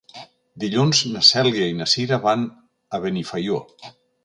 Dilluns na Cèlia i na Cira van a Benifaió.